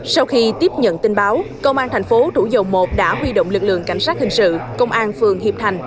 sau khi tiếp nhận tin báo công an tp hcm đã huy động lực lượng cảnh sát hình sự công an phường hiệp thành